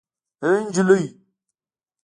اي نجلۍ